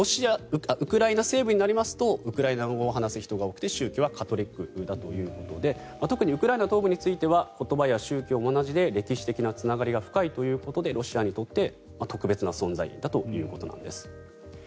ウクライナ西部になりますとウクライナ語を話す人が多くて宗教はカトリックだということで特にウクライナ東部については言葉や宗教が同じで歴史的なつながりが深いということでロシアにとって特別な存在だということです。